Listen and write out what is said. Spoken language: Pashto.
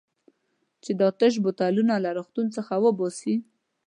چې دا تش بوتلونه له روغتون څخه وباسي.